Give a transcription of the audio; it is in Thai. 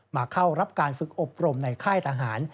เข้ารับการฝึกอบรมในค่ายทหาร